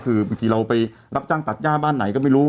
คือเมื่อกี้เราไปรับจ้างตัดย่าบ้านไหนไม่รู้